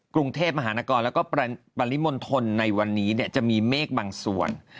กรุงเทพมหาตะคอแล้วก็ปริมนธนในวันนี้เนี่ยจะมีเมฆบางส่วน